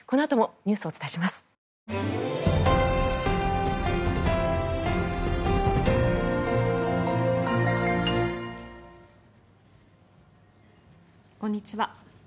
こんにちは。